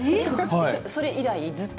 それ以来、ずっと？